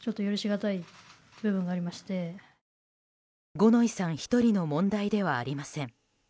五ノ井さん１人の問題ではありません。